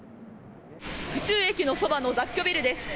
府中駅の近くの雑居ビルです。